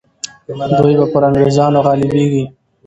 دوی به پر انګریزانو غالبیږي.